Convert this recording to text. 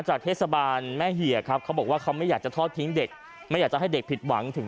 เทศบาลแม่เหี่ยครับเขาบอกว่าเขาไม่อยากจะทอดทิ้งเด็กไม่อยากจะให้เด็กผิดหวังถึง